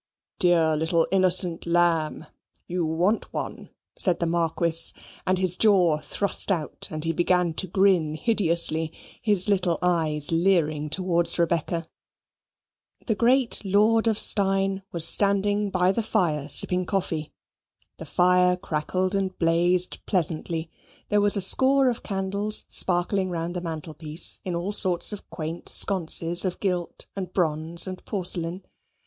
"Dear little innocent lamb, you want one," said the marquis; and his jaw thrust out, and he began to grin hideously, his little eyes leering towards Rebecca. The great Lord of Steyne was standing by the fire sipping coffee. The fire crackled and blazed pleasantly. There was a score of candles sparkling round the mantel piece, in all sorts of quaint sconces, of gilt and bronze and porcelain.